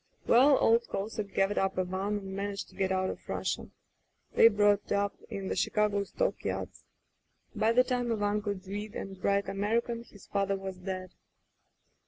"Well, old Kosek gathered up Ivan and managed to get out of Russia. They brought up in the Chicago stock yards. By the time Ivan could read and write American, his father was dead.